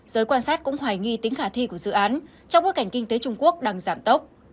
giới quan sát cũng hoài nghi tính khả thi của dự án trong bối cảnh kinh tế trung quốc đang giảm tốc